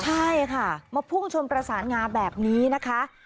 ใช่ค่ะมาพุ่งชนประสานงาแบบนี้นะคะ